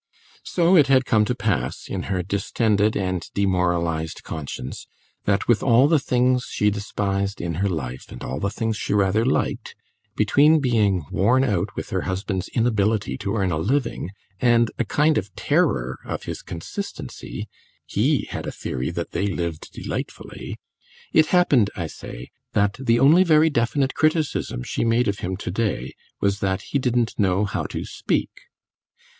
So it had come to pass, in her distended and demoralised conscience, that with all the things she despised in her life and all the things she rather liked, between being worn out with her husband's inability to earn a living and a kind of terror of his consistency (he had a theory that they lived delightfully), it happened, I say, that the only very definite criticism she made of him to day was that he didn't know how to speak.